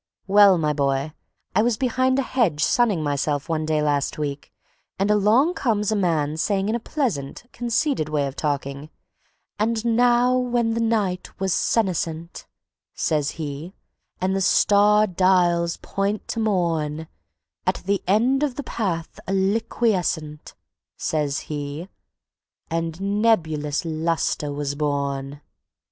Well, my boy, I was behind a hedge sunning myself one day last week, and along comes a man saying in a pleasant, conceited way of talking: "'And now when the night was senescent' (says he) 'And the star dials pointed to morn At the end of the path a liquescent' (says he) 'And nebulous lustre was born.